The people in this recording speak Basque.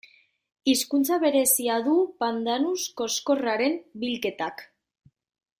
Hizkuntza berezia du pandanus koxkorraren bilketak.